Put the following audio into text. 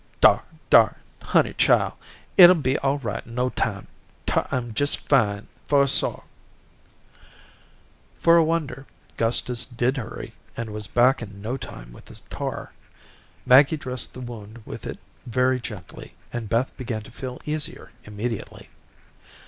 Dar, dar, honey chile, it'll be all right in no time. Tar am jes' fine for a sore." For a wonder, Gustus did hurry and was back in no time with the tar. Maggie dressed the wound with it very gently and Beth began to feel easier immediately.